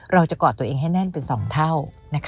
กอดตัวเองให้แน่นเป็น๒เท่า